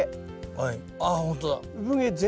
はい。